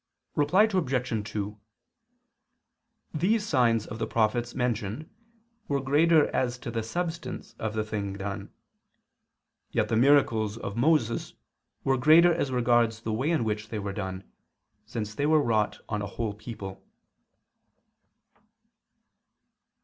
Reply Obj. 2: These signs of the prophets mentioned were greater as to the substance of the thing done; yet the miracles of Moses were greater as regards the way in which they were done, since they were wrought on a whole people.